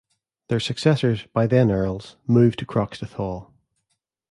Their successors, by then Earls, moved to Croxteth Hall.